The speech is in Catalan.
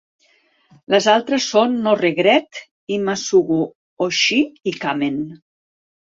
Les altres són "No Regret", "Ima Sugu Hoshii" i "Kamen".